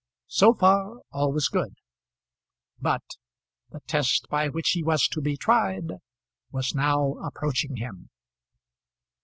So far all was good; but the test by which he was to be tried was now approaching him.